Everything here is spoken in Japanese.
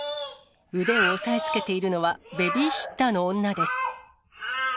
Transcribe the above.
腕を押さえつけているのは、ベビーシッターの女です。